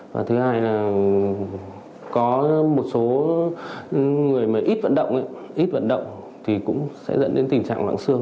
và thứ hai là có một số người mà ít vận động thì cũng sẽ dẫn đến tình trạng loãng xương